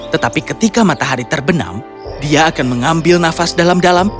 tetapi ketika matahari terbenam dia akan mengambil nafas dalam dalam